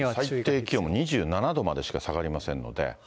最低気温も２７度までしか下がりませんので。